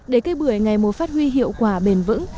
để cây bưởi ngày một phát huy hiệu quả bền vững